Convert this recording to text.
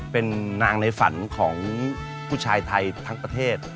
เป็นนางในฝันของผู้ชายไทยทั้งประเทศ